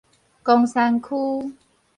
岡山區